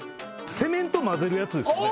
セメント混ぜるやつですよね